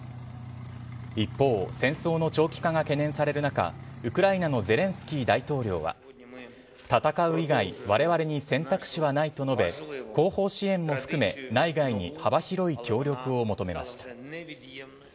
一方、戦争の長期化が懸念される中、ウクライナのゼレンスキー大統領は、戦う以外、われわれに選択肢はないと述べ、後方支援も含め、内外に幅広い協力を求めました。